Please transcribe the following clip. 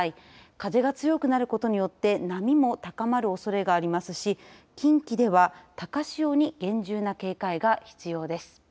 風が強くなることによって波も高まるおそれがありますし近畿では高潮に厳重な警戒が必要です。